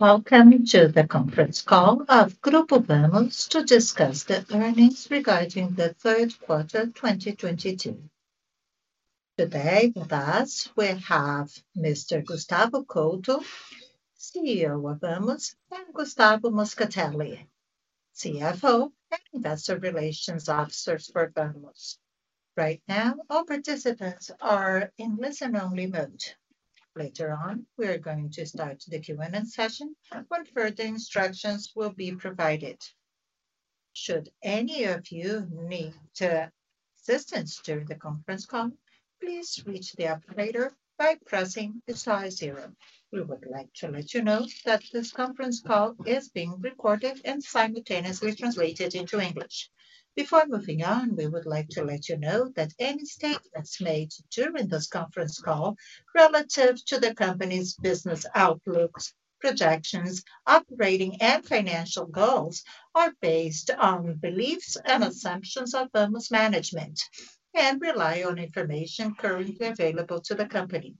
Welcome to the conference call of Grupo Vamos to discuss the earnings regarding the third quarter, 2022. Today with us we have Mr. Gustavo Couto, CEO of Vamos, and Gustavo Moscatelli, CFO and Investor Relations Officer for Vamos. Right now, all participants are in listen-only mode. Later on, we are going to start the Q&A session when further instructions will be provided. Should any of you need assistance during the conference call, please reach the operator by pressing star 0. We would like to let you know that this conference call is being recorded and simultaneously translated into English. Before moving on, we would like to let you know that any statements made during this conference call relative to the company's business outlooks, projections, operating and financial goals, are based on beliefs and assumptions of Vamos management, and rely on information currently available to the company.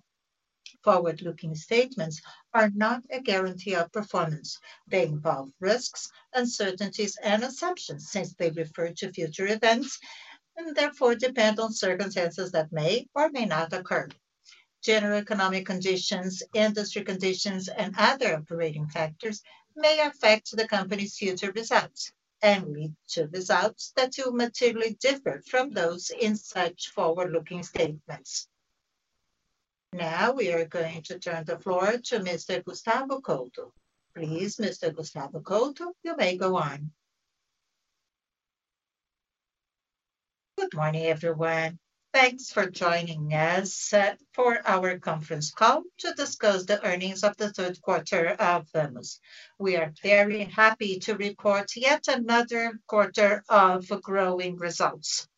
Forward-looking statements are not a guarantee of performance. They involve risks, uncertainties and assumptions, since they refer to future events and therefore depend on circumstances that may or may not occur. General economic conditions, industry conditions, and other operating factors may affect the company's future results and lead to results that will materially differ from those in such forward-looking statements. Now, we are going to turn the floor to Mr. Gustavo Couto. Please Mr. Gustavo Couto, you may go on. Good morning, everyone. Thanks for joining us for our conference call to discuss the earnings of the third quarter of Vamos. We are very happy to report yet another quarter of growing results.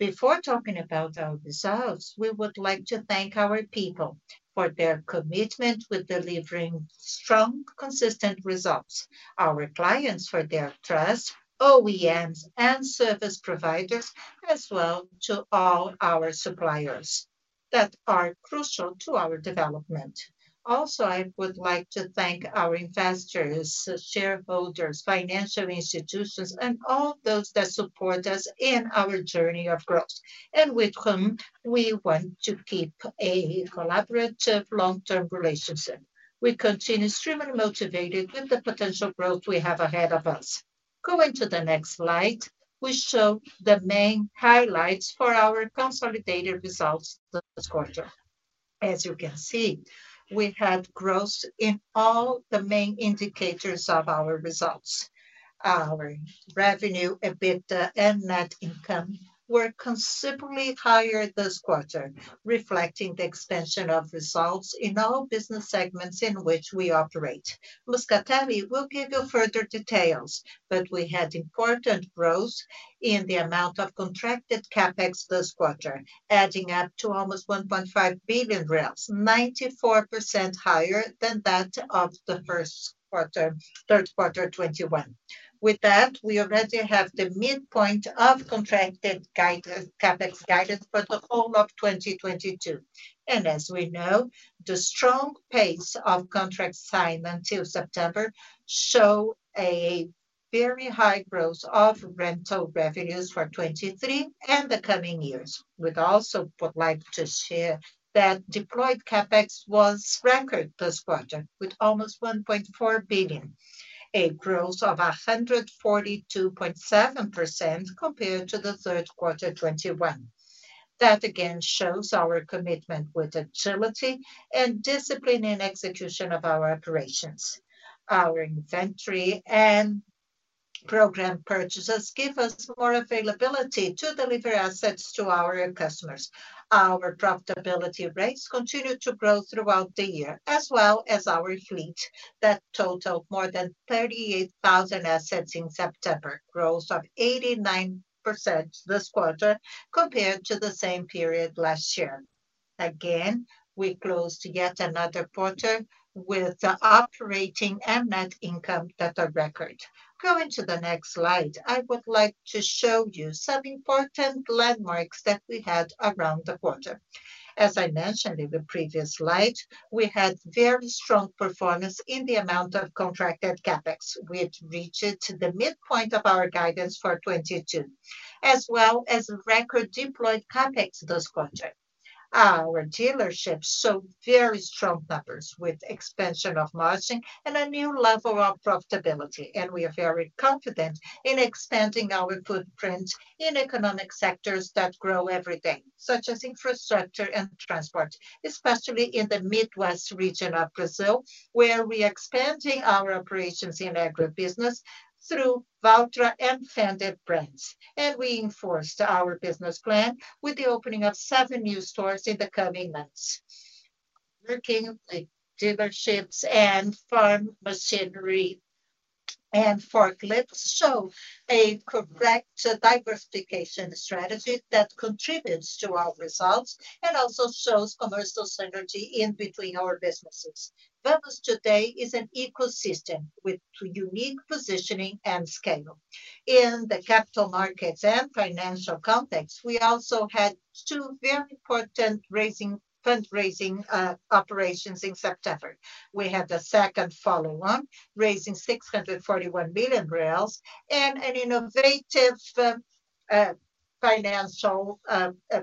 Before talking about our results, we would like to thank our people for their commitment with delivering strong, consistent results, our clients for their trust, OEMs and service providers, as well as to all our suppliers that are crucial to our development. Also, I would like to thank our investors, shareholders, financial institutions, and all those that support us in our journey of growth, and with whom we want to keep a collaborative long-term relationship. We continue extremely motivated with the potential growth we have ahead of us. Going to the next slide, we show the main highlights for our consolidated results this quarter. As you can see, we had growth in all the main indicators of our results. Our revenue, EBITDA, and net income were considerably higher this quarter, reflecting the expansion of results in all business segments in which we operate. Moscatelli will give you further details, but we had important growth in the amount of contracted CapEx this quarter, adding up to almost 1.5 billion, 94% higher than that of the third quarter 2021. With that, we already have the midpoint of contracted CapEx guidance for the whole of 2022. As we know, the strong pace of contract signed until September show a very high growth of rental revenues for 2023 and the coming years. We'd also like to share that deployed CapEx was record this quarter, with almost 1.4 billion, a growth of 142.7% compared to the third quarter 2021. That again shows our commitment with agility and discipline in execution of our operations. Our inventory and program purchases give us more availability to deliver assets to our customers. Our profitability rates continued to grow throughout the year, as well as our fleet, that total more than 38,000 assets in September, growth of 89% this quarter compared to the same period last year. We closed yet another quarter with the operating and net income at a record. Going to the next slide, I would like to show you some important landmarks that we had around the quarter. As I mentioned in the previous slide, we had very strong performance in the amount of contracted CapEx, which reached the midpoint of our guidance for 2022, as well as record deployed CapEx this quarter. Our dealerships show very strong numbers, with expansion of margin and a new level of profitability, and we are very confident in expanding our footprint in economic sectors that grow every day, such as infrastructure and transport, especially in the Midwest region of Brazil, where we expanding our operations in agribusiness through Valtra and Fendt brands. We enforced our business plan with the opening of 7 new stores in the coming months. Working with dealerships and farm machinery and forklifts show a correct diversification strategy that contributes to our results and also shows commercial synergy between our businesses. Vamos today is an ecosystem with unique positioning and scale. In the capital markets and financial context, we also had 2 very important fundraising operations in September. We had the second follow-on, raising 641 million, and an innovative financial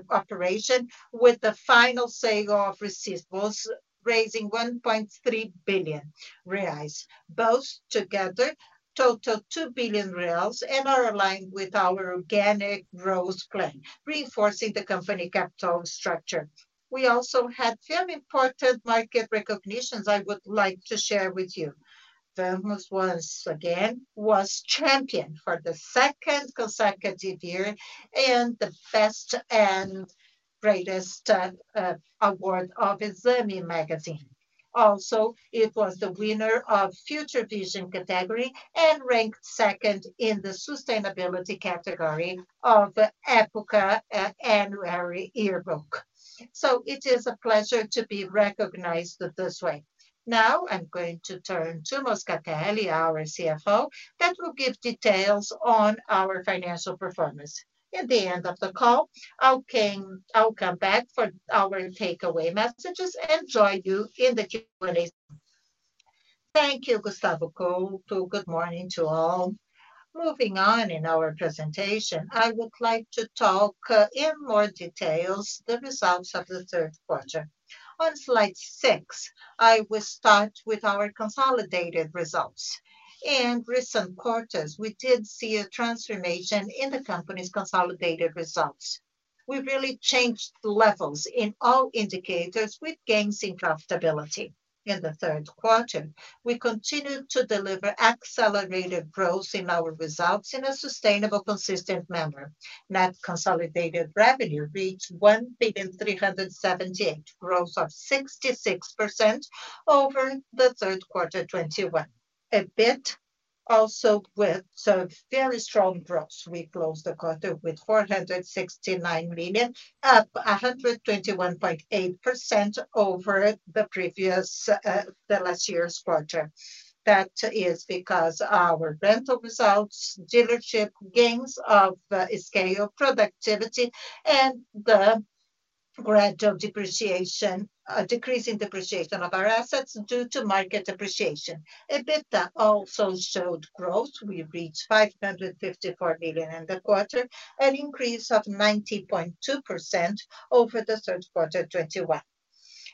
operation with the final sale of receivables, raising 1.3 billion reais. Both together total 2 billion reais and are aligned with our organic growth plan, reinforcing the company capital structure. We also had very important market recognitions I would like to share with you. Vamos was, again, champion for the second consecutive year and the best and greatest award of Exame magazine. Also, it was the winner of Future Vision category and ranked second in the Sustainability category of Época annual yearbook. It is a pleasure to be recognized this way. Now I'm going to turn to Moscatelli, our CFO, that will give details on our financial performance. At the end of the call, I'll come back for our takeaway messages and join you in the Q&A. Thank you, Gustavo Couto. Good morning to all. Moving on in our presentation, I would like to talk in more details the results of the third quarter. On slide 6, I will start with our consolidated results. In recent quarters, we did see a transformation in the company's consolidated results. We really changed levels in all indicators with gains in profitability. In the third quarter, we continued to deliver accelerated growth in our results in a sustainable, consistent manner. Net consolidated revenue reached 1.378 billion, 66% growth over the third quarter 2021. EBIT also with some very strong growth. We closed the quarter with 469 million, up 121.8% over the previous, the last year's quarter. That is because our rental results, dealership gains of scale, productivity and the decrease in depreciation of our assets due to market depreciation. EBITDA also showed growth. We reached 554 million in the quarter, an increase of 90.2% over the third quarter 2021.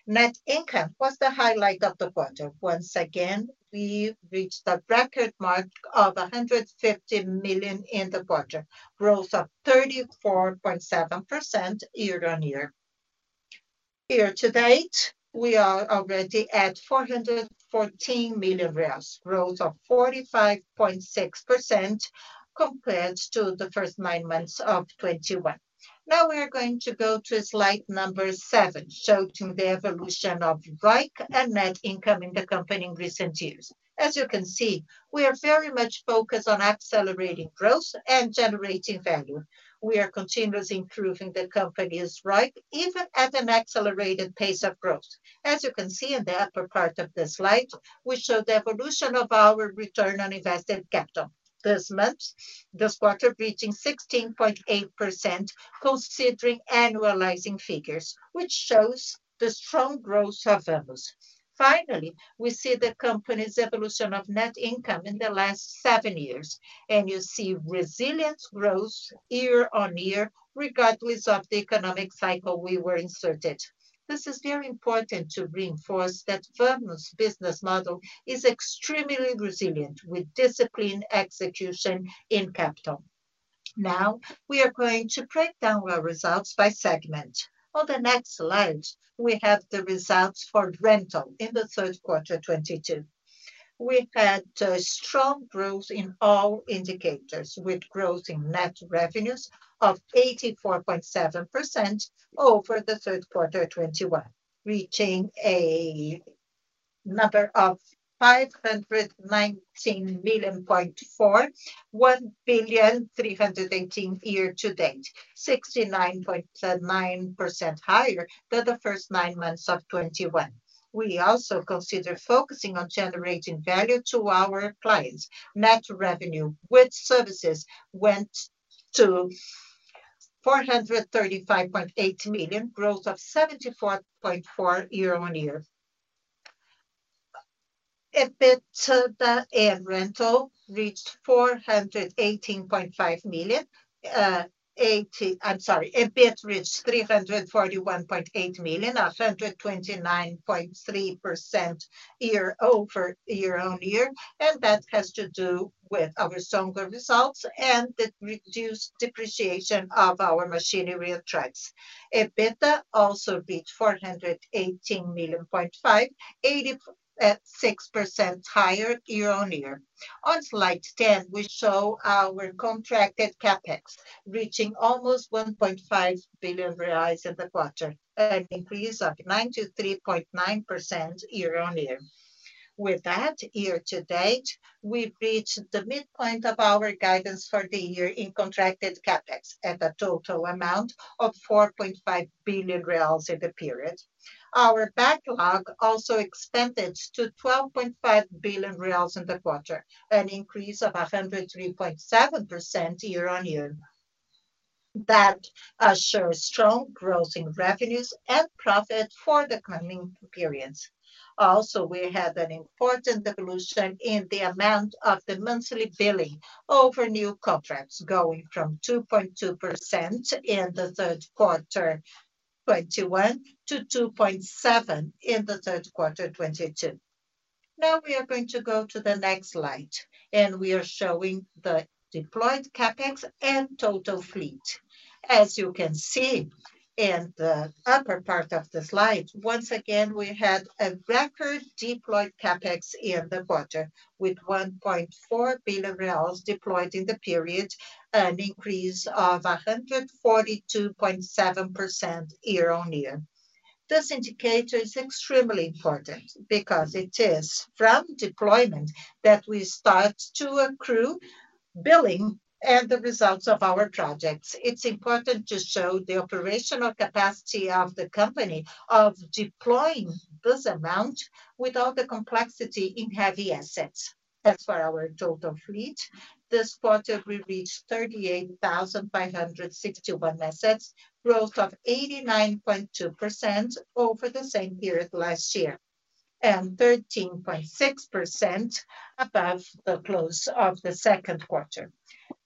Net income was the highlight of the quarter. Once again, we reached a record mark of 150 million in the quarter, growth of 34.7% year-over-year. Year to date, we are already at 414 million, growth of 45.6% compared to the first nine months of 2021. Now we are going to go to slide number 7, showing the evolution of ROIC and net income in the company in recent years. As you can see, we are very much focused on accelerating growth and generating value. We are continuously improving the company's ROIC, even at an accelerated pace of growth. As you can see in the upper part of the slide, we show the evolution of our return on invested capital. This month, this quarter reaching 16.8% considering annualizing figures, which shows the strong growth of Vamos. Finally, we see the company's evolution of net income in the last 7 years, and you see resilient growth year-on-year regardless of the economic cycle we were inserted. This is very important to reinforce that Vamos' business model is extremely resilient with disciplined execution in capital. Now, we are going to break down our results by segment. On the next slide, we have the results for rental in the third quarter 2022. We had strong growth in all indicators, with growth in net revenues of 84.7% over the third quarter 2021, reaching a number of 519.4 million, 1.318 billion year to date, 69.9% higher than the first nine months of 2021. We also consider focusing on generating value to our clients. Net revenue with services went to 435.8 million, growth of 74.4% year on year. EBITDA in rental reached 418.5 million. EBIT reached 341.8 million, 129.3% year-on-year, and that has to do with our stronger results and the reduced depreciation of our machinery and trucks. EBITDA also reached 418.5 million, 86% higher year-on-year. On slide 10, we show our contracted CapEx reaching almost 1.5 billion reais in the quarter, an increase of 93.9% year-on-year. With that, year to date, we've reached the midpoint of our guidance for the year in contracted CapEx at a total amount of 4.5 billion reais in the period. Our backlog also expanded to 12.5 billion reais in the quarter, an increase of 103.7% year-on-year. That assures strong growth in revenues and profit for the coming periods. Also, we have an important evolution in the amount of the monthly billing over new contracts, going from 2.2% in the third quarter 2021 to 2.7% in the third quarter 2022. Now we are going to go to the next slide, and we are showing the deployed CapEx and total fleet. As you can see in the upper part of the slide, once again, we had a record deployed CapEx in the quarter, with 1.4 billion reais deployed in the period, an increase of 142.7% year-on-year. This indicator is extremely important because it is from deployment that we start to accrue billing and the results of our projects. It's important to show the operational capacity of the company of deploying this amount with all the complexity in heavy assets. As for our total fleet, this quarter we reached 38,561 assets, growth of 89.2% over the same period last year, and 13.6% above the close of the second quarter.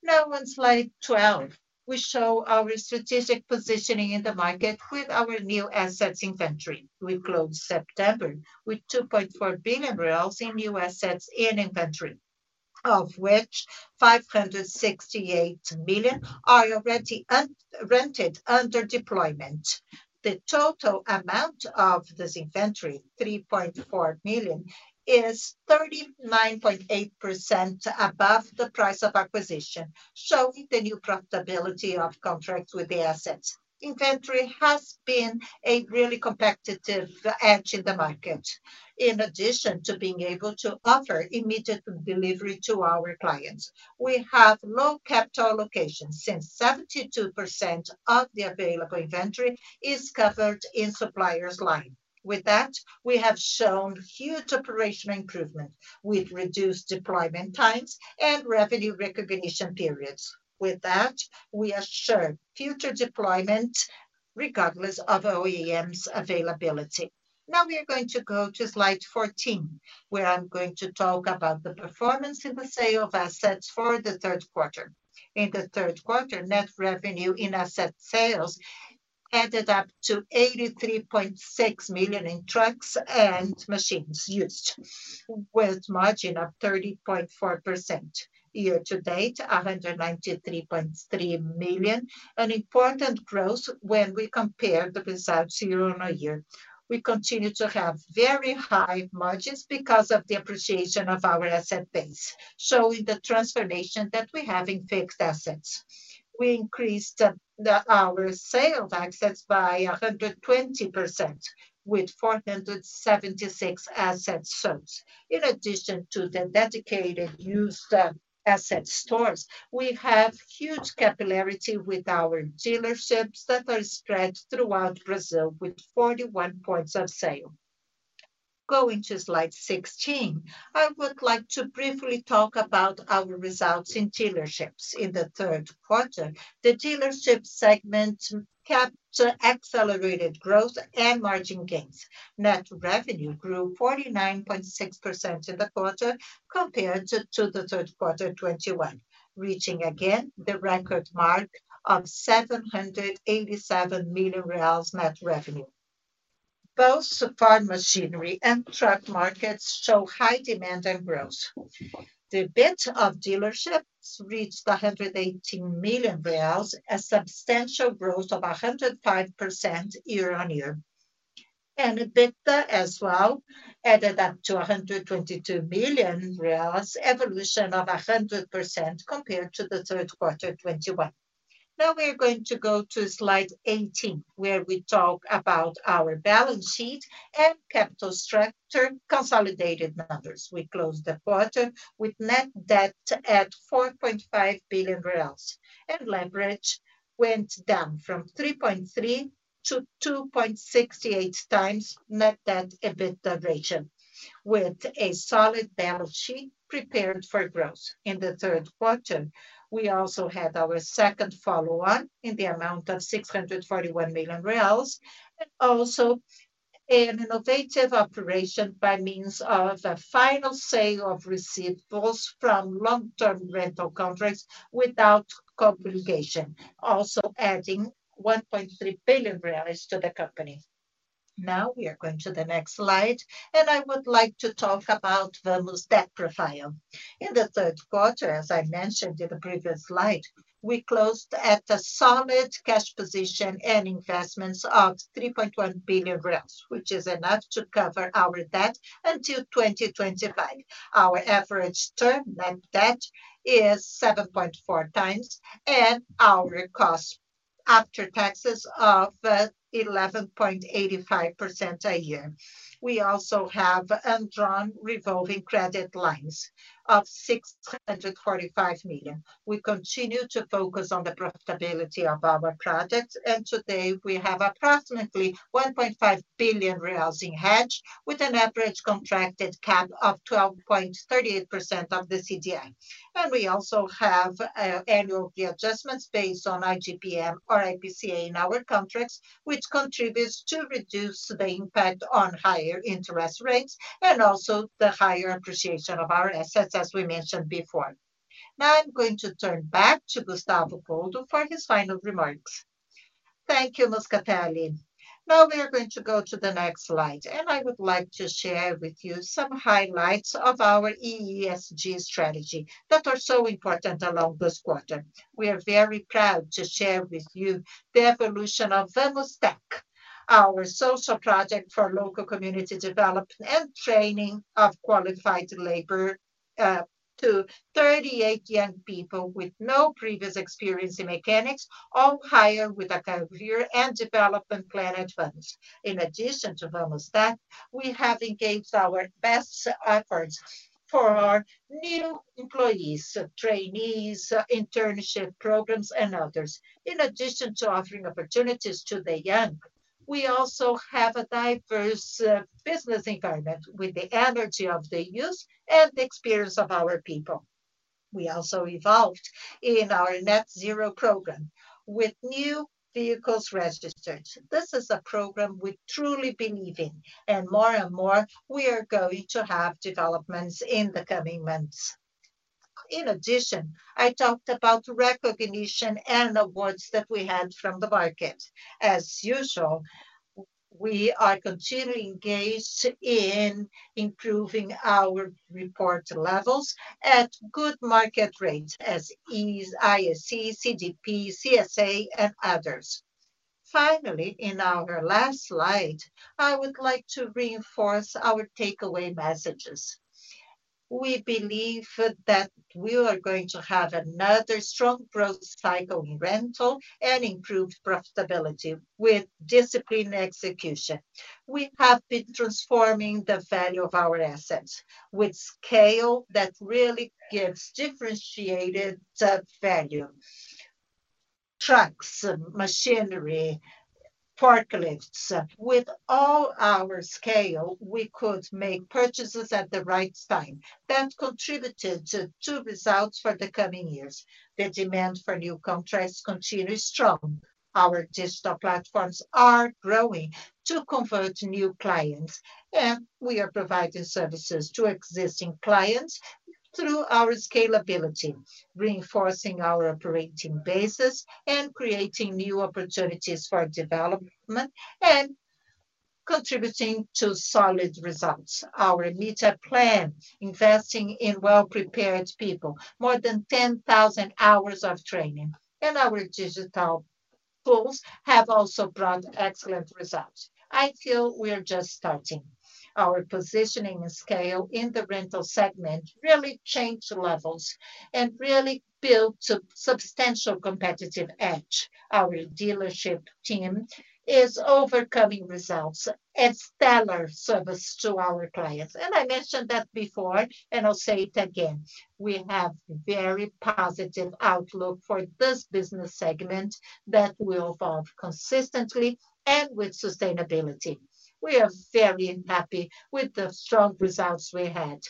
Now on slide 12, we show our strategic positioning in the market with our new assets inventory. We closed September with 2.4 billion reais in new assets in inventory, of which 568 million are already unrented under deployment. The total amount of this inventory, 3.4 billion, is 39.8% above the price of acquisition, showing the new profitability of contracts with the assets. Inventory has been a really competitive edge in the market. In addition to being able to offer immediate delivery to our clients, we have low CapEx locations since 72% of the available inventory is covered in suppliers' line. With that, we have shown huge operational improvement with reduced deployment times and revenue recognition periods. With that, we assure future deployment regardless of OEM's availability. Now we are going to go to slide 14, where I'm going to talk about the performance in the sale of assets for the third quarter. In the third quarter, net revenue in asset sales added up to 83.6 million in trucks and machines used, with margin of 30.4%. Year to date, 193.3 million, an important growth when we compare the results year-on-year. We continue to have very high margins because of the appreciation of our asset base, showing the transformation that we have in fixed assets. We increased our sale of assets by 120% with 476 asset sales. In addition to the dedicated used asset stores, we have huge capillarity with our dealerships that are spread throughout Brazil with 41 points of sale. Going to slide 16, I would like to briefly talk about our results in dealerships. In the third quarter, the dealership segment captured accelerated growth and margin gains. Net revenue grew 49.6% in the quarter compared to the third quarter 2021, reaching again the record mark of 787 million reais net revenue. Both farm machinery and truck markets show high demand and growth. The EBIT of dealerships reached 118 million reais, a substantial growth of 105% year-on-year. EBITDA as well added up to 122 million reais, evolution of 100% compared to the third quarter 2021. Now we are going to go to slide 18, where we talk about our balance sheet and capital structure consolidated numbers. We closed the quarter with net debt at 4.5 billion reais, and leverage went down from 3.3 to 2.68 times net debt EBITDA ratio, with a solid balance sheet prepared for growth. In the third quarter, we also had our second follow-on in the amount of 641 million reais, and also an innovative operation by means of a final sale of receivables from long-term rental contracts without complication, also adding 1.3 billion to the company. Now we are going to the next slide, and I would like to talk about Vamos' debt profile. In the third quarter, as I mentioned in the previous slide, we closed at a solid cash position and investments of 3.1 billion, which is enough to cover our debt until 2025. Our average term net debt is 7.4 times, and our cost after taxes of 11.85% a year. We also have undrawn revolving credit lines of 645 million. We continue to focus on the profitability of our projects, and today we have approximately 1.5 billion reais in hedge, with an average contracted cap of 12.38% of the CDI. We also have annual fee adjustments based on IGPM or IPCA in our contracts, which contributes to reduce the impact on higher interest rates and also the higher appreciation of our assets, as we mentioned before. Now I'm going to turn back to Gustavo Couto for his final remarks. Thank you, Moscatelli. Now we are going to go to the next slide, and I would like to share with you some highlights of our ESG strategy that are so important along this quarter. We are very proud to share with you the evolution of Vamos Tech, our social project for local community development and training of qualified labor, to 38 young people with no previous experience in mechanics, all hired with a career and development plan advance. In addition to Vamos Tech, we have engaged our best efforts for new employees, trainees, internship programs, and others. In addition to offering opportunities to the young, we also have a diverse business environment with the energy of the youth and the experience of our people. We also evolved in our net zero program with new vehicles registered. This is a program we truly believe in, and more and more we are going to have developments in the coming months. In addition, I talked about recognition and awards that we had from the market. As usual, we are continually engaged in improving our report levels at good market rates as IS, ISE, CDP, CSA, and others. Finally, in our last slide, I would like to reinforce our takeaway messages. We believe that we are going to have another strong growth cycle in rental and improved profitability with disciplined execution. We have been transforming the value of our assets with scale that really gives differentiated sub-value. Trucks, machinery, forklifts. With all our scale, we could make purchases at the right time that contributed to two results for the coming years. The demand for new contracts continues strong. Our digital platforms are growing to convert new clients, and we are providing services to existing clients through our scalability, reinforcing our operating bases and creating new opportunities for development and contributing to solid results. Our meta plan, investing in well-prepared people, more than 10,000 hours of training. Our digital tools have also brought excellent results. I feel we are just starting. Our positioning and scale in the rental segment really changed levels and really built substantial competitive edge. Our dealership team is achieving results and stellar service to our clients. I mentioned that before, and I'll say it again, we have very positive outlook for this business segment that will evolve consistently and with sustainability. We are very happy with the strong results we had,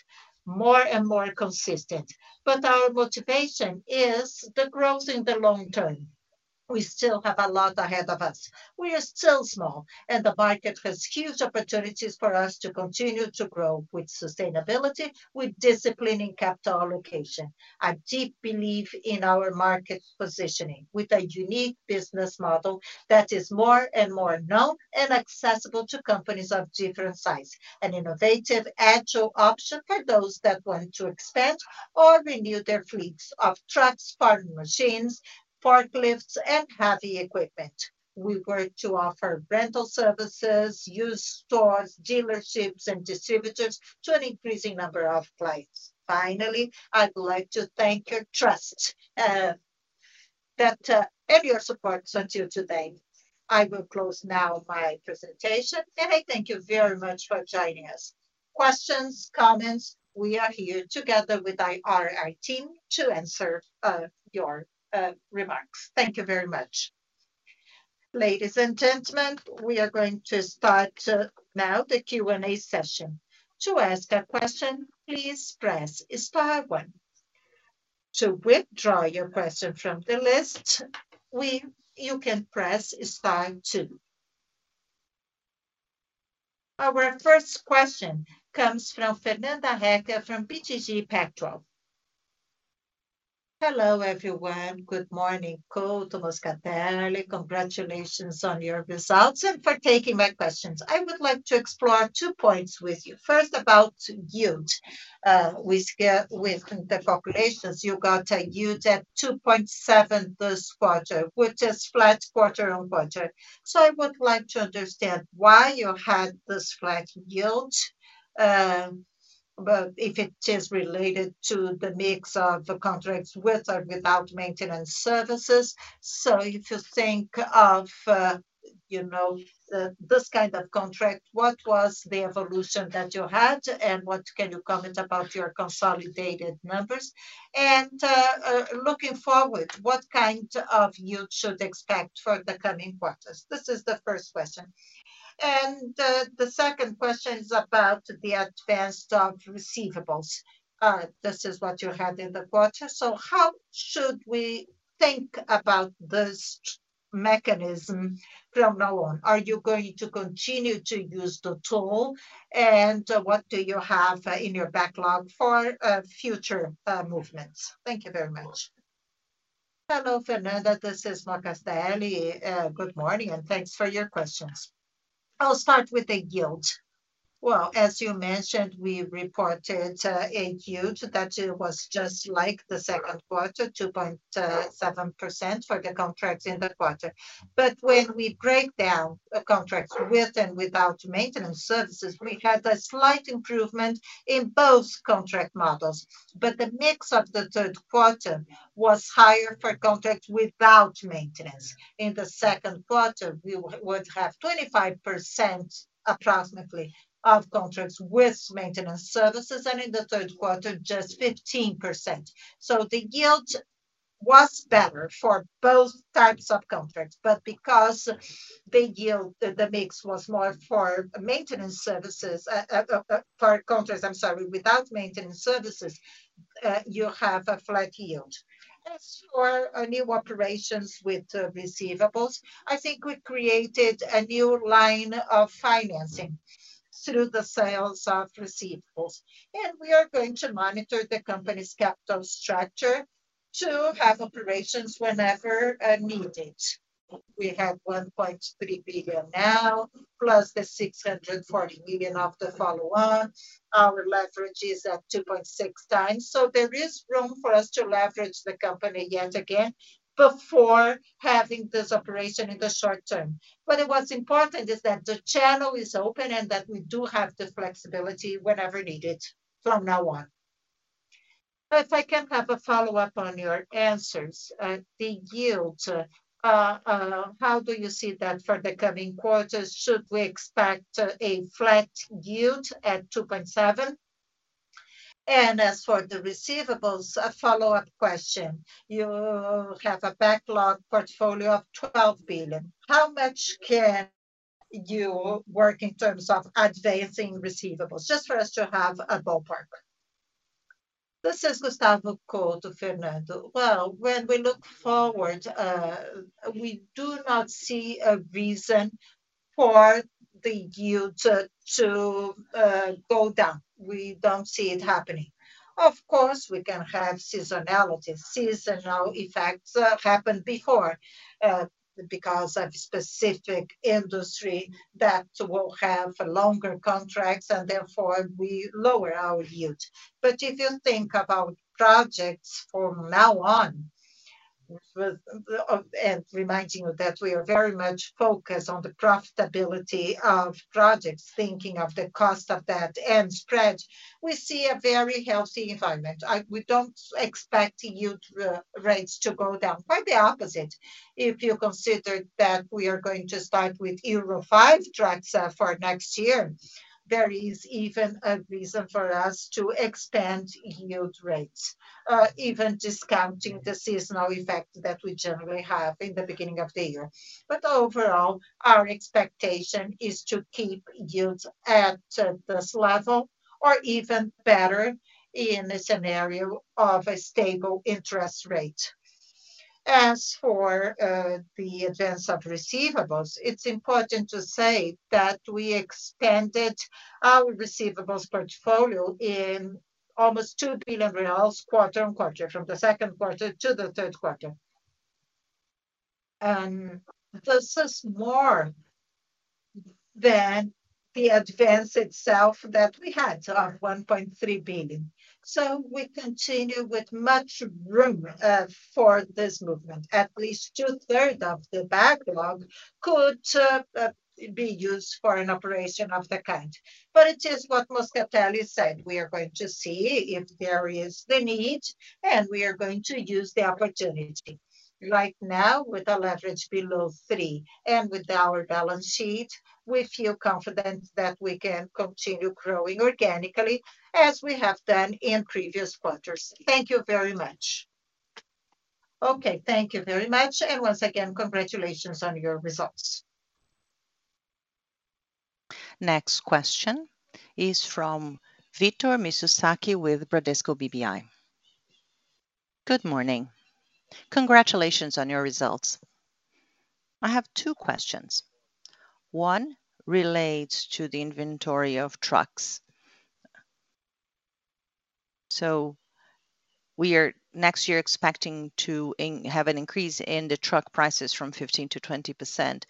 more and more consistent. Our motivation is the growth in the long term. We still have a lot ahead of us. We are still small, and the market has huge opportunities for us to continue to grow with sustainability, with discipline in capital allocation. I deeply believe in our market positioning with a unique business model that is more and more known and accessible to companies of different size. An innovative, agile option for those that want to expand or renew their fleets of trucks, farming machines, forklifts, and heavy equipment. We work to offer rental services, used stores, dealerships, and distributors to an increasing number of clients. Finally, I'd like to thank your trust, that, your support until today. I will close now my presentation, and I thank you very much for joining us. Questions, comments, we are here together with our IT to answer your remarks. Thank you very much. Ladies and gentlemen, we are going to start now the Q&A session. To ask a question, please press star one. To withdraw your question from the list, you can press star two. Our first question comes from Fernanda Recchia from BTG Pactual. Hello, everyone. Good morning, Gustavo Couto, Gustavo Moscatelli. Congratulations on your results and for taking my questions. I would like to explore two points with you. First, about yield. With the portfolio, you got a yield at 2.7% this quarter, which is flat quarter-over-quarter. I would like to understand why you had this flat yield, but if it is related to the mix of contracts with or without maintenance services. If you think of you know this kind of contract, what was the evolution that you had, and what can you comment about your consolidated numbers? Looking forward, what kind of yield should we expect for the coming quarters? This is the first question. The second question is about the advance of receivables. This is what you had in the quarter. How should we think about this mechanism from now on? Are you going to continue to use the tool? What do you have in your backlog for future movements? Thank you very much. Hello, Fernanda. This is Moscatelli. Good morning, and thanks for your questions. I'll start with the yield. Well, as you mentioned, we reported a yield that it was just like the second quarter, 2.7% for the contracts in the quarter. When we break down contracts with and without maintenance services, we had a slight improvement in both contract models. The mix of the third quarter was higher for contracts without maintenance. In the second quarter, we would have 25% approximately of contracts with maintenance services, and in the third quarter, just 15%. The yield was better for both types of contracts. Because the mix was more for maintenance services for contracts, I'm sorry, without maintenance services, you have a flat yield. As for our new operations with receivables, I think we created a new line of financing through the sales of receivables, and we are going to monitor the company's capital structure to have operations whenever needed. We have 1.3 billion now, plus 640 million of the follow on. Our leverage is at 2.6x, so there is room for us to leverage the company yet again before having this operation in the short term. What's important is that the channel is open and that we do have the flexibility whenever needed from now on. \ If I can have a follow-up on your answers. The yield, how do you see that for the coming quarters? Should we expect a flat yield at 2.7%? As for the receivables, a follow-up question. You have a backlog portfolio of 12 billion. How much can you work in terms of advancing receivables, just for us to have a ballpark? This is Gustavo Couto, Fernanda. Well, when we look forward, we do not see a reason for the yield to go down. We don't see it happening. Of course, we can have seasonality. Seasonal effects have happened before, because of specific industry that will have longer contracts and therefore we lower our yield. If you think about projects from now on with Reminding you that we are very much focused on the profitability of projects, thinking of the cost of that and spread, we see a very healthy environment. We don't expect yield rates to go down. Quite the opposite. If you consider that we are going to start with Euro 5 trucks for next year, there is even a reason for us to expand yield rates, even discounting the seasonal effect that we generally have in the beginning of the year. Overall, our expectation is to keep yields at this level or even better in the scenario of a stable interest rate. As for the advance of receivables, it's important to say that we expanded our receivables portfolio in almost 2 billion reais quarter-over-quarter, from the second quarter to the third quarter. This is more than the advance itself that we had of 1.3 billion. We continue with much room for this movement. At least two-thirds of the backlog could be used for an operation of that kind. It is what Moscatelli said. We are going to see if there is the need, and we are going to use the opportunity. Right now, with our leverage below three and with our balance sheet, we feel confident that we can continue growing organically as we have done in previous quarters. Thank you very much. Okay. Thank you very much. Once again, congratulations on your results. Next question is from Victor Mizusaki with Bradesco BBI. Good morning. Congratulations on your results. I have two questions. One relates to the inventory of trucks. We are next year expecting to have an increase in the truck prices from 15%-20%.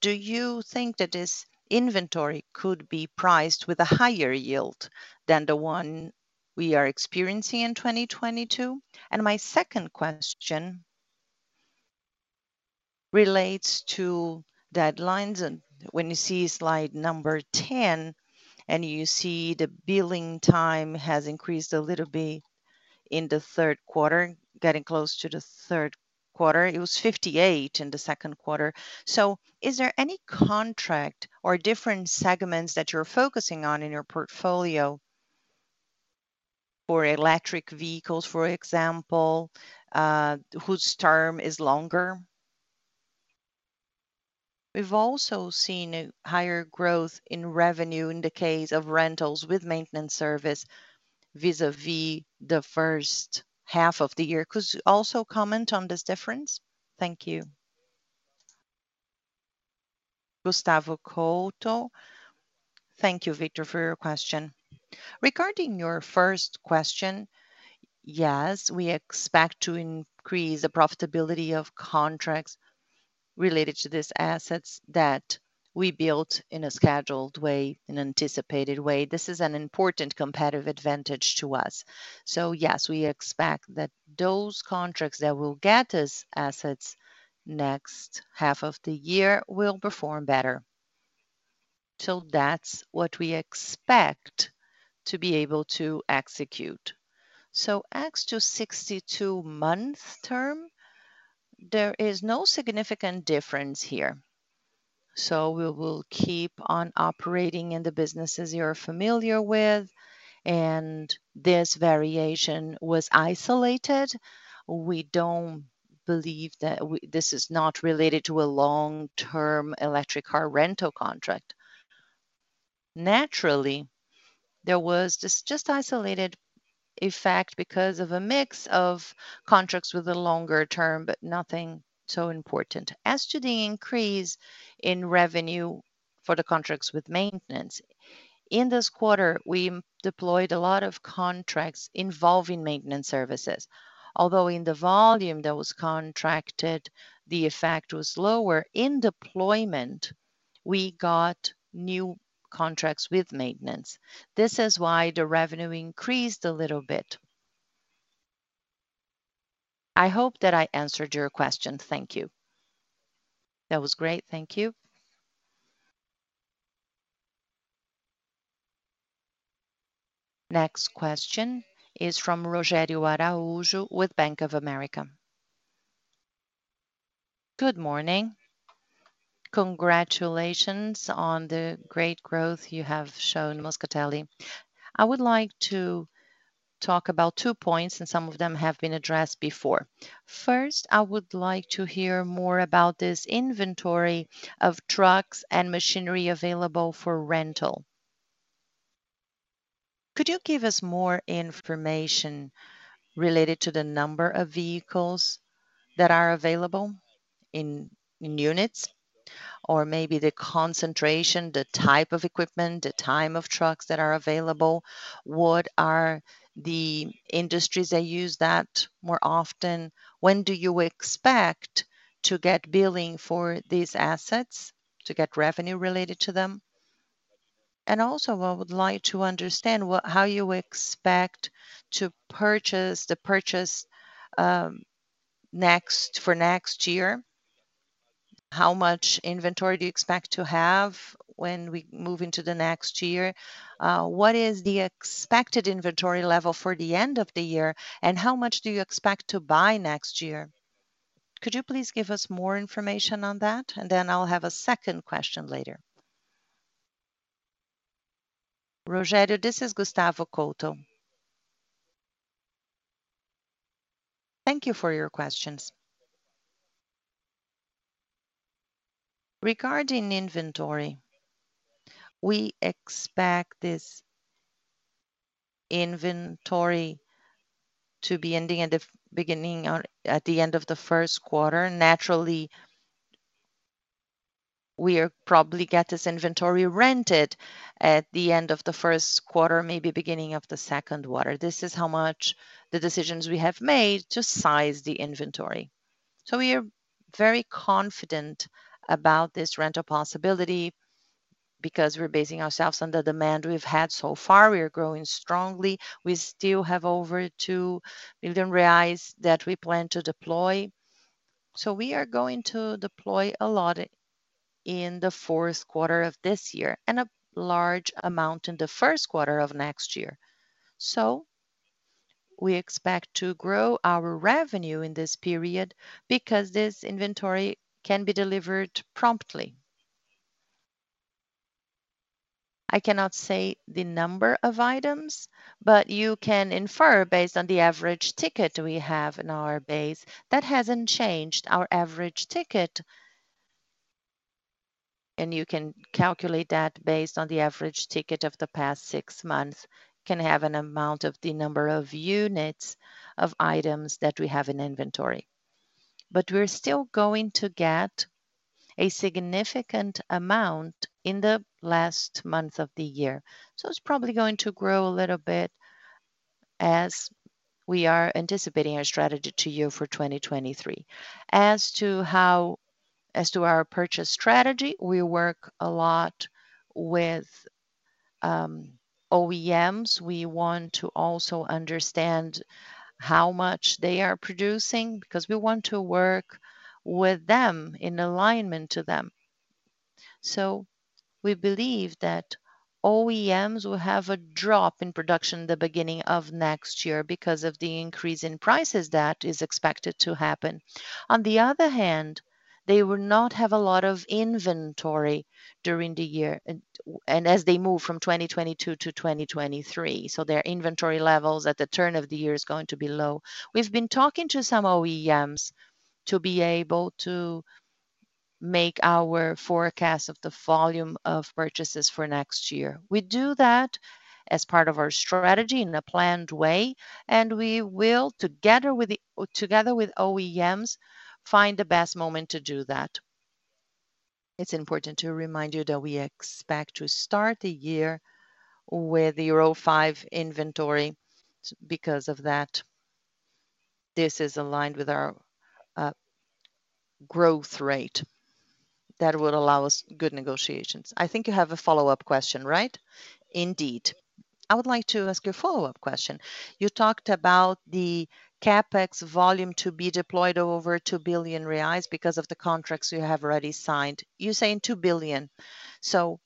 Do you think that this inventory could be priced with a higher yield than the one we are experiencing in 2022? My second question relates to deadlines. When you see slide number 10, you see the billing time has increased a little bit in the third quarter, getting close to the third quarter. It was 58 in the second quarter. Is there any contract or different segments that you're focusing on in your portfolio for electric vehicles, for example, whose term is longer? We've also seen a higher growth in revenue in the case of rentals with maintenance service. Vis-à-vis the first half of the year. Could you also comment on this difference? Thank you. Gustavo Couto. Thank you, Victor, for your question. Regarding your first question, yes, we expect to increase the profitability of contracts related to these assets that we built in a scheduled way, an anticipated way. This is an important competitive advantage to us. Yes, we expect that those contracts that will get us assets next half of the year will perform better. That's what we expect to be able to execute. As to 62-month term, there is no significant difference here. We will keep on operating in the businesses you're familiar with, and this variation was isolated. We don't believe that this is not related to a long-term electric car rental contract. Naturally, there was this just isolated effect because of a mix of contracts with a longer term, but nothing so important. As to the increase in revenue for the contracts with maintenance, in this quarter, we deployed a lot of contracts involving maintenance services. Although in the volume that was contracted, the effect was lower. In deployment, we got new contracts with maintenance. This is why the revenue increased a little bit. I hope that I answered your question. Thank you. That was great. Thank you. Next question is from Rogério Araújo with Bank of America. Good morning. Congratulations on the great growth you have shown Moscatelli. I would like to talk about two points, and some of them have been addressed before. First, I would like to hear more about this inventory of trucks and machinery available for rental. Could you give us more information related to the number of vehicles that are available in units or maybe the concentration, the type of equipment, the type of trucks that are available? What are the industries that use that more often? When do you expect to get billing for these assets, to get revenue related to them? I would like to understand what how you expect to purchase the purchase for next year. How much inventory do you expect to have when we move into the next year? What is the expected inventory level for the end of the year, and how much do you expect to buy next year? Could you please give us more information on that? Then I'll have a second question later. Rogério, this is Gustavo Couto. Thank you for your questions. Regarding inventory, we expect this inventory to be beginning or at the end of the first quarter. Naturally, we'll probably get this inventory rented at the end of the first quarter, maybe beginning of the second quarter. This is how much the decisions we have made to size the inventory. We are very confident about this rental possibility because we're basing ourselves on the demand we've had so far. We are growing strongly. We still have over 2 million reais that we plan to deploy. We are going to deploy a lot in the fourth quarter of this year and a large amount in the first quarter of next year. We expect to grow our revenue in this period because this inventory can be delivered promptly. I cannot say the number of items, but you can infer based on the average ticket we have in our base. That hasn't changed. Our average ticket, and you can calculate that based on the average ticket of the past six months, can have an amount of the number of units of items that we have in inventory. We're still going to get a significant amount in the last month of the year. It's probably going to grow a little bit as we are anticipating our strategy to you for 2023. As to our purchase strategy, we work a lot with OEMs. We want to also understand how much they are producing because we want to work with them, in alignment to them. We believe that OEMs will have a drop in production the beginning of next year because of the increase in prices that is expected to happen. On the other hand, they will not have a lot of inventory during the year and as they move from 2022-2023. Their inventory levels at the turn of the year is going to be low. We've been talking to some OEMs to be able to make our forecast of the volume of purchases for next year. We do that as part of our strategy in a planned way, and we will, together with OEMs, find the best moment to do that. It's important to remind you that we expect to start the year with Euro 5 inventory. Because of that, this is aligned with our growth rate that will allow us good negotiations. I think you have a follow-up question, right? Indeed. I would like to ask you a follow-up question. You talked about the CapEx volume to be deployed over 2 billion reais because of the contracts you have already signed. You're saying 2 billion. So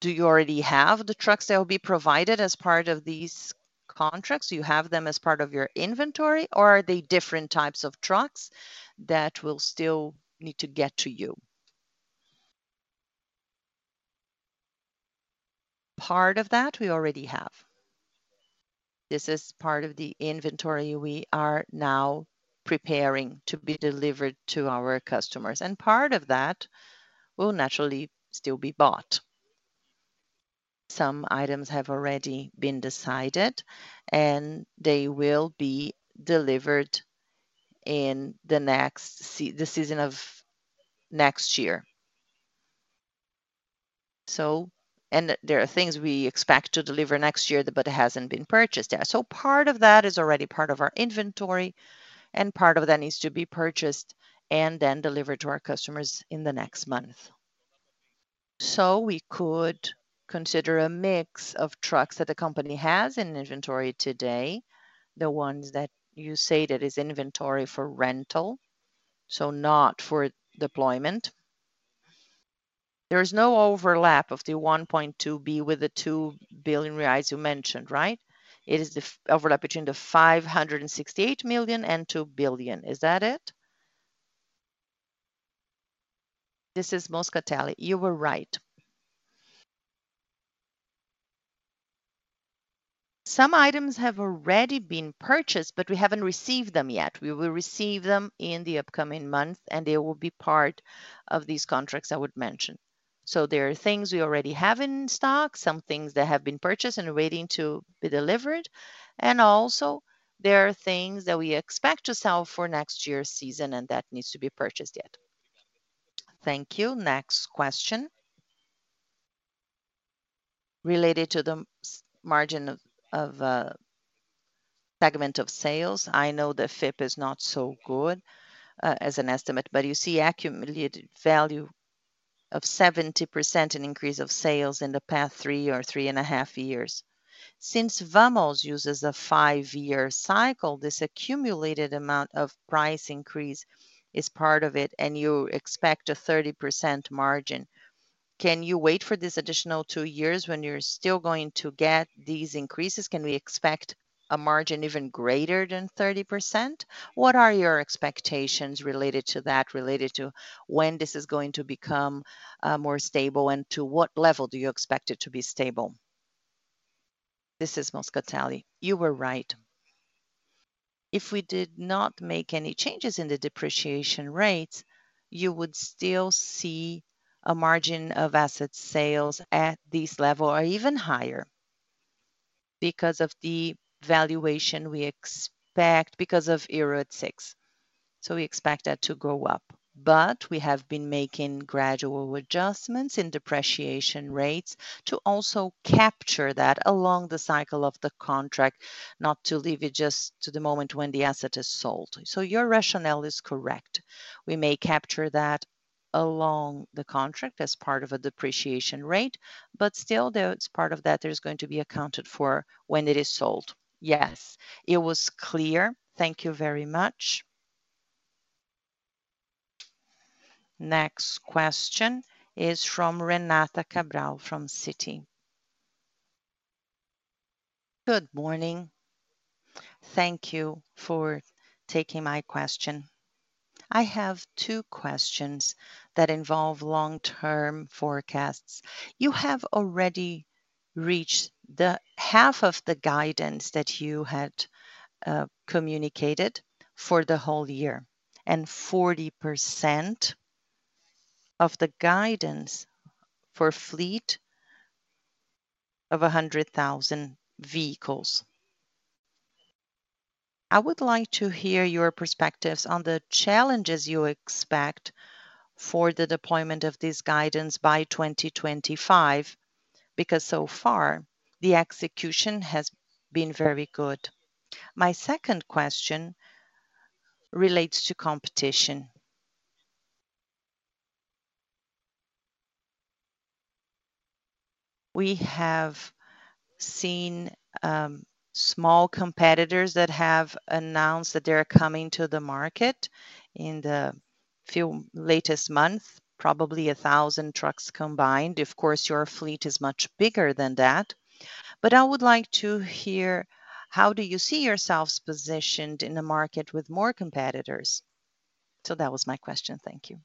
do you already have the trucks that will be provided as part of these contracts? You have them as part of your inventory, or are they different types of trucks that will still need to get to you? Part of that we already have. This is part of the inventory we are now preparing to be delivered to our customers, and part of that will naturally still be bought. Some items have already been decided, and they will be delivered in the season of next year. There are things we expect to deliver next year, but it hasn't been purchased yet. Part of that is already part of our inventory, and part of that needs to be purchased and then delivered to our customers in the next month. We could consider a mix of trucks that the company has in inventory today, the ones that you say that is inventory for rental, so not for deployment. There is no overlap of the 1.2 billion with the 2 billion reais you mentioned, right? It is the overlap between the 568 million and 2 billion. Is that it? This is Moscatelli. You were right. Some items have already been purchased, but we haven't received them yet. We will receive them in the upcoming month, and they will be part of these contracts I would mention. There are things we already have in stock, some things that have been purchased and are waiting to be delivered, and also there are things that we expect to sell for next year's season and that needs to be purchased yet. Thank you. Next question. Related to the margin of segment of sales. I know the FIPE is not so good as an estimate, but you see accumulated value of 70% increase of sales in the past 3 or 3.5 years. Since Vamos uses a 5-year cycle, this accumulated amount of price increase is part of it, and you expect a 30% margin. Can you wait for this additional 2 years when you are still going to get these increases? Can we expect a margin even greater than 30%? What are your expectations related to that, related to when this is going to become more stable, and to what level do you expect it to be stable? This is Moscatelli. You were right. If we did not make any changes in the depreciation rates, you would still see a margin of asset sales at this level or even higher because of the valuation we expect because of Euro 6. We expect that to go up. We have been making gradual adjustments in depreciation rates to also capture that along the cycle of the contract, not to leave it just to the moment when the asset is sold. Your rationale is correct. We may capture that along the contract as part of a depreciation rate, but still, though, it's part of that that is going to be accounted for when it is sold. Yes. It was clear. Thank you very much. Next question is from Renata Cabral from Citi. Good morning. Thank you for taking my question. I have two questions that involve long-term forecasts. You have already reached half of the guidance that you had communicated for the whole year and 40% of the guidance for fleet of 100,000 vehicles. I would like to hear your perspectives on the challenges you expect for the deployment of this guidance by 2025, because so far the execution has been very good. My second question relates to competition. We have seen small competitors that have announced that they are coming to the market in the last few months, probably 1,000 trucks combined. Of course, your fleet is much bigger than that. I would like to hear how do you see yourselves positioned in a market with more competitors? So that was my question. Thank you.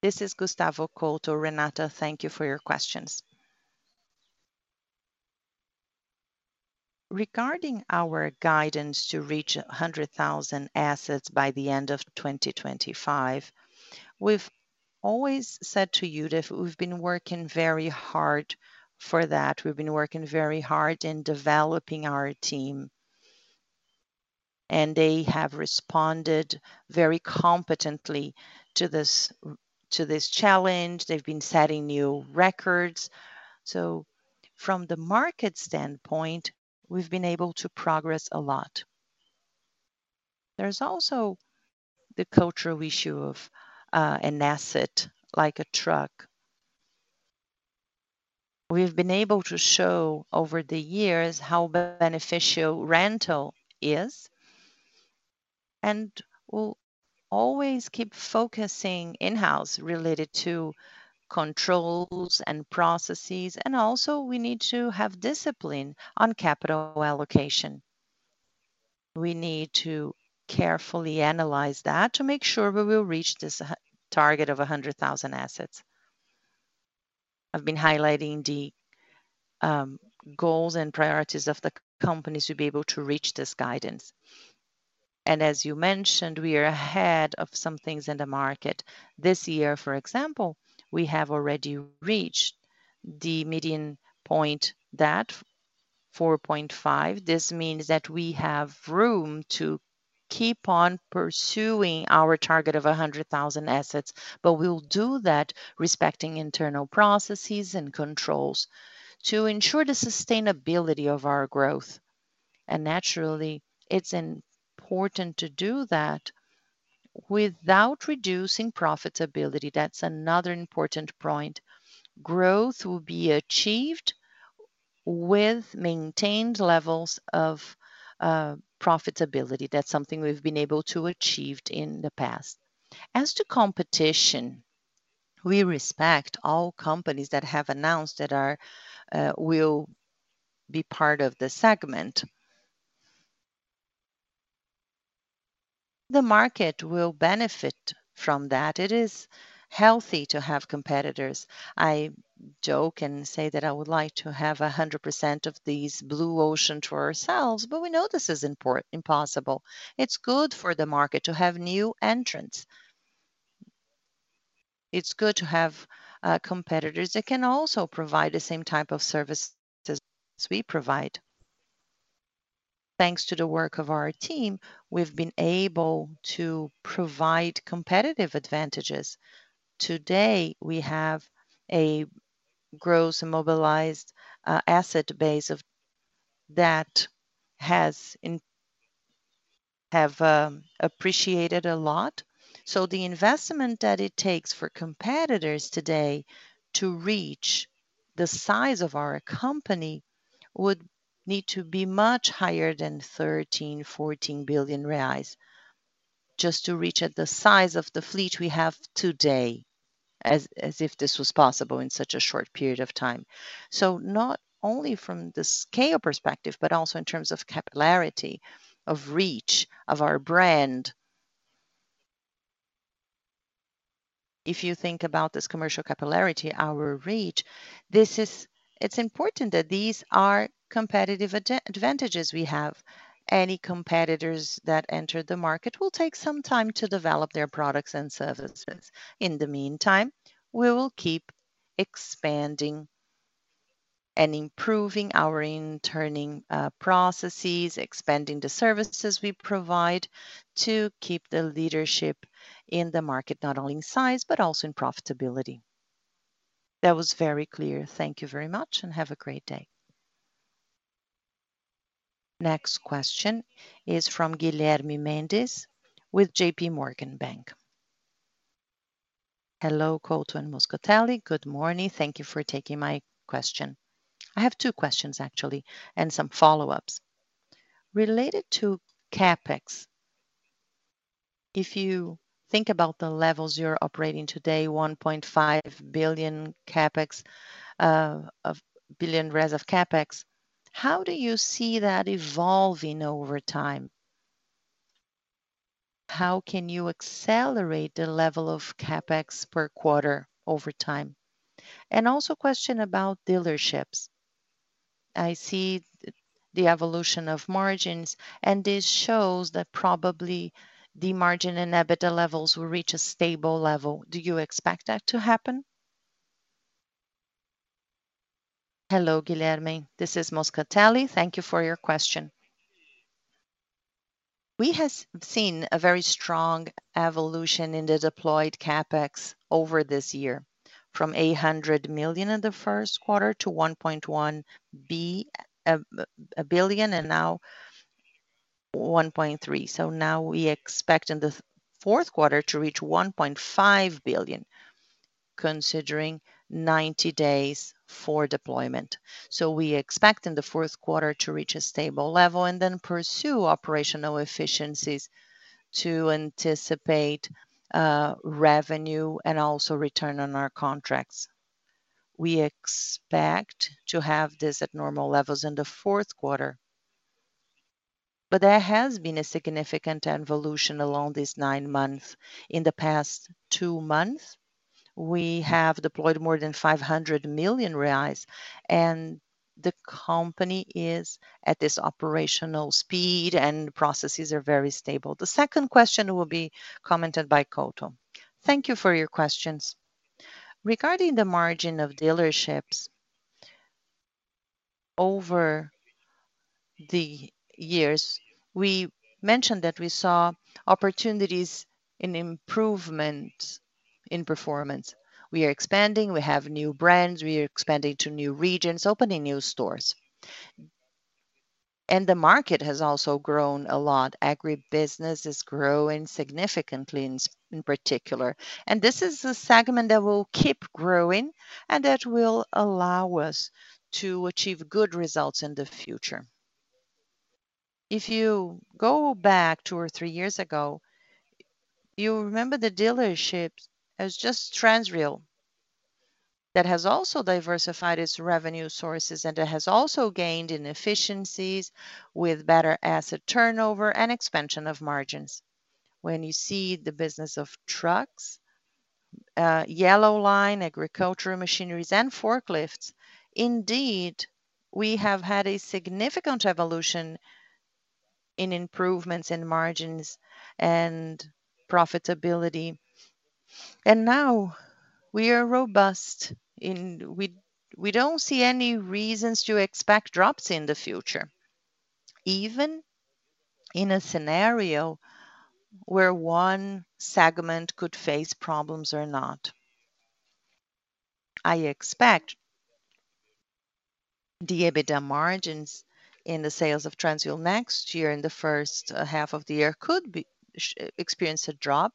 This is Gustavo Couto. Renata, thank you for your questions. Regarding our guidance to reach 100,000 assets by the end of 2025, we've always said to you that we've been working very hard for that. We've been working very hard in developing our team, and they have responded very competently to this challenge. They've been setting new records. From the market standpoint, we've been able to progress a lot. There's also the cultural issue of an asset like a truck. We've been able to show over the years how beneficial rental is, and we'll always keep focusing in-house related to controls and processes. Also we need to have discipline on capital allocation. We need to carefully analyze that to make sure we will reach this target of 100,000 assets. I've been highlighting the goals and priorities of the company to be able to reach this guidance. As you mentioned, we are ahead of some things in the market. This year, for example, we have already reached the median point that 4.5. This means that we have room to keep on pursuing our target of 100,000 assets, but we will do that respecting internal processes and controls to ensure the sustainability of our growth. Naturally, it's important to do that without reducing profitability. That's another important point. Growth will be achieved with maintained levels of profitability. That's something we've been able to achieve in the past. As to competition, we respect all companies that have announced will be part of the segment. The market will benefit from that. It is healthy to have competitors. I joke and say that I would like to have 100% of these blue ocean to ourselves, but we know this is impossible. It's good for the market to have new entrants. It's good to have competitors that can also provide the same type of services we provide. Thanks to the work of our team, we've been able to provide competitive advantages. Today, we have a gross mobilized asset base that has appreciated a lot. The investment that it takes for competitors today to reach the size of our company would need to be much higher than 13 billion-14 billion reais just to reach the size of the fleet we have today, as if this was possible in such a short period of time. Not only from the scale perspective, but also in terms of capillarity of reach of our brand. If you think about this commercial capillarity, our reach, this is important that these are competitive advantages we have. Any competitors that enter the market will take some time to develop their products and services. In the meantime, we will keep expanding and improving our internal processes, expanding the services we provide to keep the leadership in the market, not only in size, but also in profitability. That was very clear. Thank you very much, and have a great day. Next question is from Guilherme Mendes with JPMorgan bank. Hello, Couto and Moscatelli. Good morning. Thank you for taking my question. I have two questions actually, and some follow-ups. Related to CapEx, if you think about the levels you're operating today, 1.5 billion CapEx, billion raise of CapEx, how do you see that evolving over time? How can you accelerate the level of CapEx per quarter over time? And also a question about dealerships. I see the evolution of margins, and this shows that probably the margin and EBITDA levels will reach a stable level. Do you expect that to happen? Hello, Guilherme. This is Moscatelli. Thank you for your question. We have seen a very strong evolution in the deployed CapEx over this year, from 800 million in the first quarter to 1.1 billion and now 1.3 billion. Now we expect in the fourth quarter to reach 1.5 billion, considering 90 days for deployment. We expect in the fourth quarter to reach a stable level and then pursue operational efficiencies to anticipate revenue and also return on our contracts. We expect to have this at normal levels in the fourth quarter. There has been a significant evolution along these nine months. In the past two months, we have deployed more than 500 million reais, and the company is at this operational speed, and processes are very stable. The second question will be commented by Couto. Thank you for your questions. Regarding the margin of dealerships over the years, we mentioned that we saw opportunities in improvement in performance. We are expanding. We have new brands. We are expanding to new regions, opening new stores. The market has also grown a lot. Agribusiness is growing significantly in particular, and this is a segment that will keep growing and that will allow us to achieve good results in the future. If you go back two or three years ago, you remember the dealerships as just Transrio. That has also diversified its revenue sources, and it has also gained in efficiencies with better asset turnover and expansion of margins. When you see the business of trucks, yellow line, agricultural machineries, and forklifts, indeed, we have had a significant evolution in improvements in margins and profitability. Now we are robust and we don't see any reasons to expect drops in the future, even in a scenario where one segment could face problems or not. I expect the EBITDA margins in the sales of Transrio next year in the first half of the year could experience a drop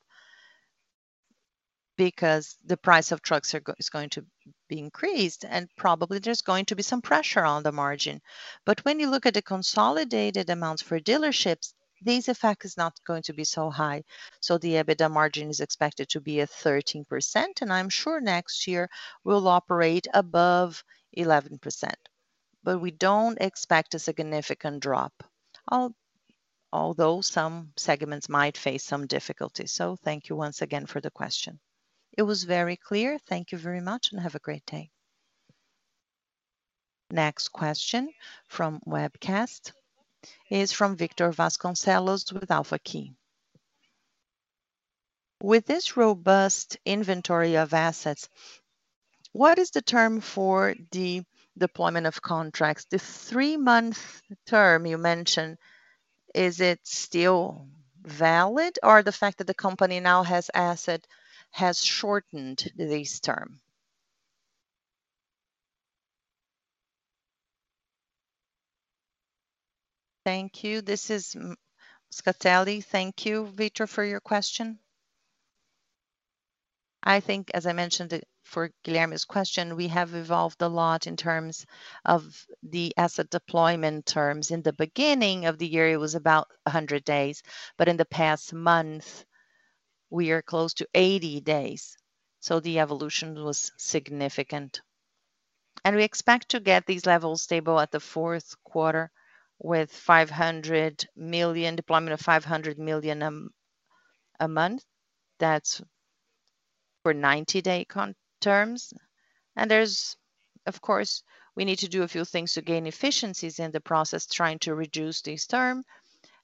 because the price of trucks is going to be increased, and probably there's going to be some pressure on the margin. But when you look at the consolidated amounts for dealerships, this effect is not going to be so high, so the EBITDA margin is expected to be at 13%, and I'm sure next year will operate above 11%. But we don't expect a significant drop, although some segments might face some difficulty. Thank you once again for the question. It was very clear. Thank you very much, and have a great day. Next question from webcast is from Victor Vasconcelos with Alphakey. With this robust inventory of assets, what is the term for the deployment of contracts? The three-month term you mentioned, is it still valid, or the fact that the company now has assets has shortened this term? Thank you. This is Gustavo Moscatelli. Thank you, Victor, for your question. I think, as I mentioned it for Guilherme's question, we have evolved a lot in terms of the asset deployment terms. In the beginning of the year, it was about 100 days. In the past month, we are close to 80 days, so the evolution was significant. We expect to get these levels stable at the fourth quarter with 500 million deployment of 500 million a month. That's for 90-day contract terms. Of course, we need to do a few things to gain efficiencies in the process trying to reduce this term.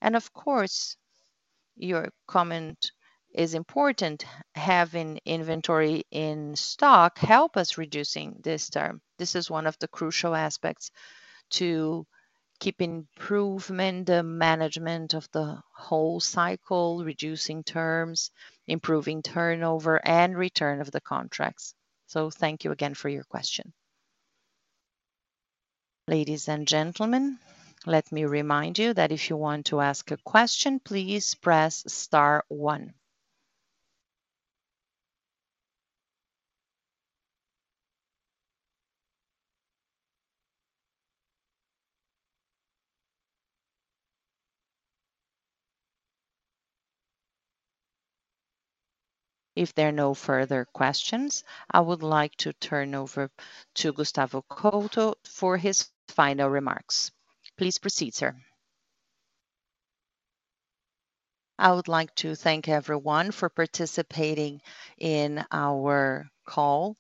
Of course, your comment is important. Having inventory in stock help us reducing this term. This is one of the crucial aspects to keep improving the management of the whole cycle, reducing terms, improving turnover, and return of the contracts. Thank you again for your question. Ladies and gentlemen, let me remind you that if you want to ask a question, please press star 1. If there are no further questions, I would like to turn over to Gustavo Couto for his final remarks. Please proceed, sir. I would like to thank everyone for participating in our call.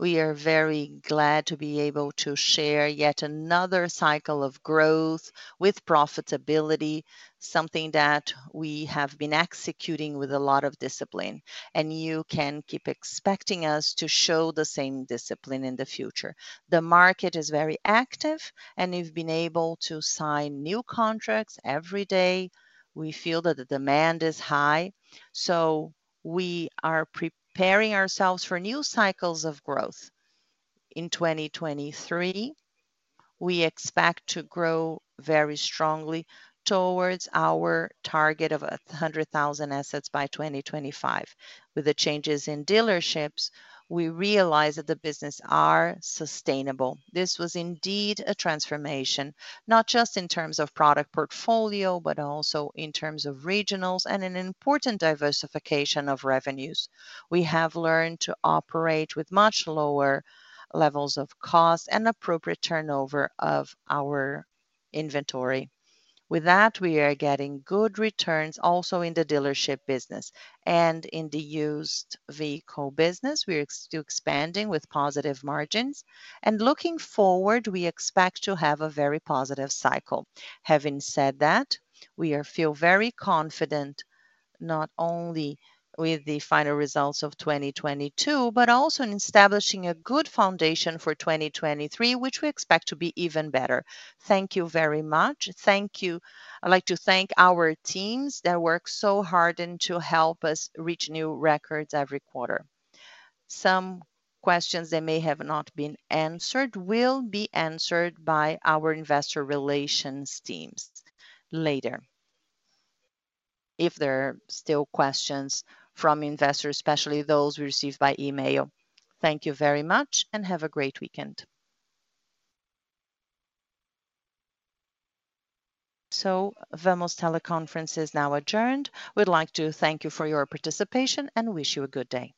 We are very glad to be able to share yet another cycle of growth with profitability, something that we have been executing with a lot of discipline, and you can keep expecting us to show the same discipline in the future. The market is very active, and we've been able to sign new contracts every day. We feel that the demand is high, so we are preparing ourselves for new cycles of growth. In 2023, we expect to grow very strongly towards our target of 100,000 assets by 2025. With the changes in dealerships, we realize that the business are sustainable. This was indeed a transformation, not just in terms of product portfolio, but also in terms of regionals and an important diversification of revenues. We have learned to operate with much lower levels of cost and appropriate turnover of our inventory. With that, we are getting good returns also in the dealership business. In the used vehicle business, we're still expanding with positive margins. Looking forward, we expect to have a very positive cycle. Having said that, we feel very confident, not only with the final results of 2022 but also in establishing a good foundation for 2023, which we expect to be even better. Thank you very much. Thank you. I'd like to thank our teams that work so hard and to help us reach new records every quarter. Some questions that may have not been answered will be answered by our investor relations teams later, if there are still questions from investors, especially those received by email. Thank you very much, and have a great weekend. Vamos teleconference is now adjourned. We'd like to thank you for your participation and wish you a good day.